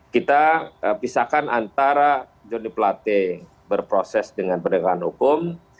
kita pisahkan antara johnny plate berproses dengan pendekatan hukum